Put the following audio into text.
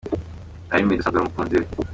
ari Meddy usanzwe ari umukunzi we.